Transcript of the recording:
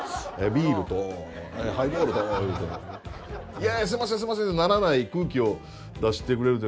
「いやいやすいませんすいません」ってならない空気を出してくれるというか。